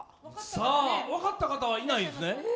分かった方はいないですね？